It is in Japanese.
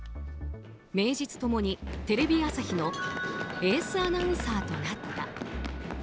名実ともにテレビ朝日のエースアナウンサーとなった。